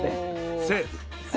セーフ！